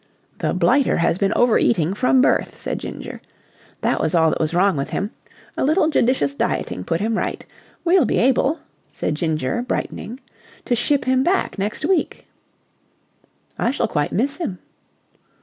"The blighter had been overeating from birth," said Ginger. "That was all that was wrong with him. A little judicious dieting put him right. We'll be able," said Ginger brightening, "to ship him back next week." "I shall quite miss him."